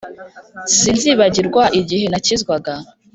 Sinzibagirw' igihe nakizwaga